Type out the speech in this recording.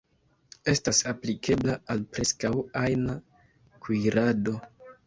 Estas aplikebla al preskaŭ ajna kuirado.